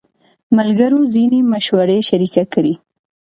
ملګرو ځینې مشورې شریکې کړې.